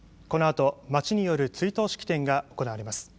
このあと町による追悼式典が行われます。